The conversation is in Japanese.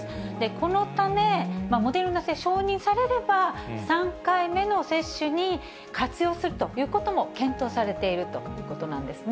このため、モデルナ製、承認されれば、３回目の接種に活用するということも検討されているということなんですね。